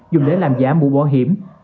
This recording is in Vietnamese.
dùng để làm giả mũ bảo hiểm